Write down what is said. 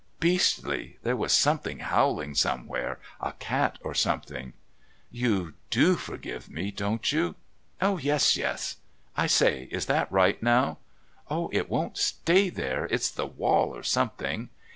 "Beastly! There was something howling somewhere a cat or something." "You do forgive me, don't you?" "Yes, yes... I say, is that right now? Oh, it won't stay there. It's the wall or something."